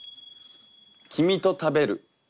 「君と食べる」。